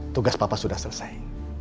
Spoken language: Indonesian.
tugas papa sudah selesai